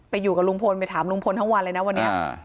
อยู่กับลุงพลไปถามลุงพลทั้งวันเลยนะวันนี้